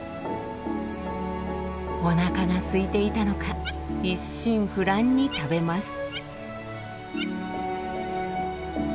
おなかがすいていたのか一心不乱に食べます。